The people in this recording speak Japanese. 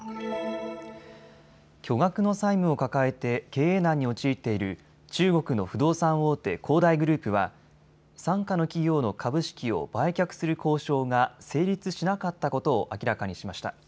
巨額の債務を抱えて経営難に陥っている中国の不動産大手、恒大グループは傘下の企業の株式を売却する交渉が成立しなかったことを明らかにしました。